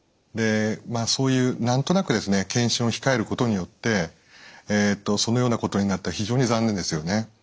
まあそういう何となく検診を控えることによってそのようなことになっては非常に残念ですよね。